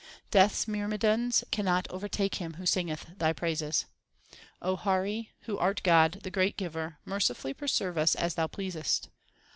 Death s myrmidons cannot overtake him who singeth Thy praises. O Hari, who art God, the great Giver, Mercifully preserve us as Thou pleasest.